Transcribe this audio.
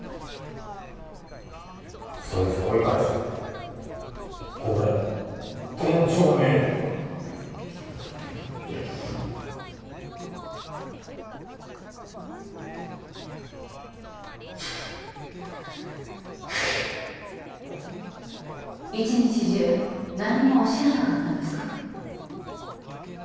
そいつ追い返しといてこれ店長命令だから一日中何もおっしゃらなかったんですか？